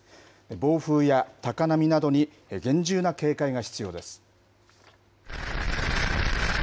暴風や高波などに厳重な警戒が必要です。